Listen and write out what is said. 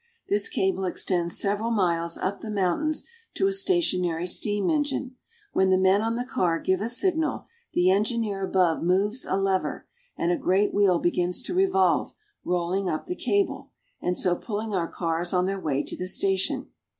This cable extends several miles up the mountains to a stationary steam engine. When the men on the car give a signal, the en gineer above moves a lever, and a great wheel begins to revolve, rolling up the cable, and so pulling our cars on their way to the station.